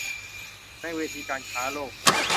ในเวทีการค้าโลก